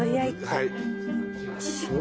はい。